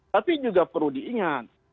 tapi juga perlu diingat